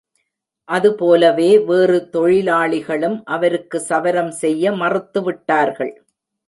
அதுபோலவே வேறு தொழிலாளிகளும் அவருக்கு சவரம் செய்ய மறுத்து விட்டார்கள்.